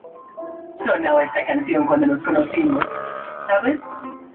Sobrino del expresidente de Chile, Pedro Aguirre Cerda.